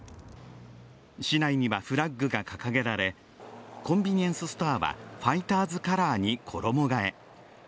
市内にはフラッグが掲げられコンビニエンスストアはファイターズカラーに衣がえ。